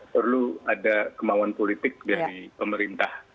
perlu ada kemauan politik dari pemerintah